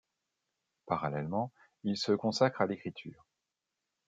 Parallèlement, il se consacre à l'écriture.